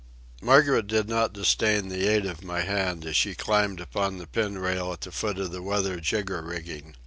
Margaret did not disdain the aid of my hand as she climbed upon the pin rail at the foot of the weather jigger rigging.